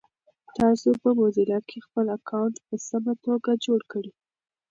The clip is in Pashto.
تاسو په موزیلا کې خپل اکاونټ په سمه توګه جوړ کړی؟